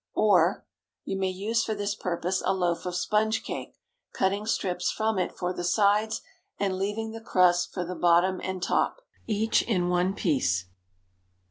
Or, You may use for this purpose a loaf of sponge cake, cutting strips from it for the sides and leaving the crust for the bottom and top, each in one piece.